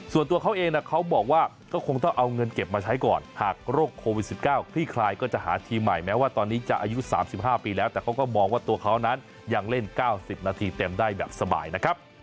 ส่วนตัวเขาเองเขาบอกว่าก็คงต้องเอาเงินเก็บมาใช้ก่อนหากโรคโควิด๑๙คลี่คลายก็จะหาทีมใหม่แม้ว่าตอนนี้จะอายุ๓๕ปีแล้วแต่เขาก็มองว่าตัวเขานั้นยังเล่น๙๐นาทีเต็มได้แบบสบายนะครับ